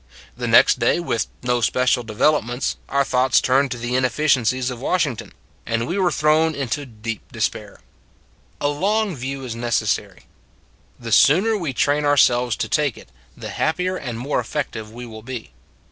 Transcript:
The next day, with no special developments, our thoughts turned to the inefficiencies of Washington, and we were thrown into deep despair. A long view is necessary: the sooner we 160 It s a Good Old World train ourselves to take it, the happier and more effective we will be.